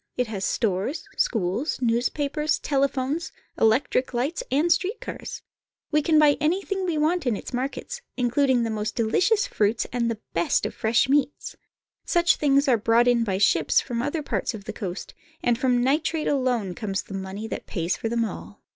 It has stores, schools, newspapers, telephones, electric lights, and street car s. We can buy anything we want in its markets, including the most delicious fruits and the best of fresh meats. Such things are brought in by ships from other parts of the coast, and from nitrate alone comes the money that pays for them all.